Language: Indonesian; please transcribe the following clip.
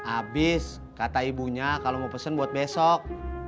abis kata ibunya kalau mau pesen buat besok